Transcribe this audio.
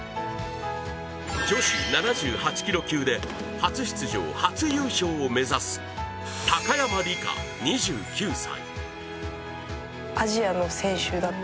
女子７８キロ級で初出場、初優勝を目指す高山莉加２９歳。